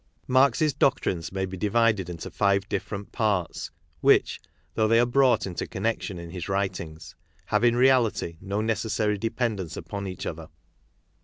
v f Marx's doctrines may be divided into five different ' parts which, though they are brought into connection in his writings, hayejnj ealijtyno necessary dependence KARL MARX 27 upon each other.